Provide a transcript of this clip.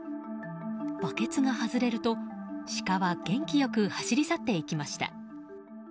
バケツが外れると、シカは元気良く走り去っていきました。